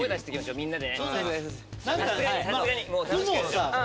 みんなで。